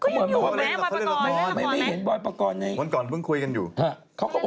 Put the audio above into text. ก็ยังอยู่ไหมบอยประกอลไม่เห็นบอยประกอล